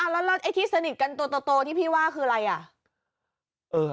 แล้วไอ้สนิทกันตัวที่พี่ว่าคืออะไร